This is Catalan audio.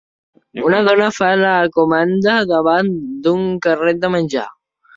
Una dona fa la comanda davant d'un carret de menjar.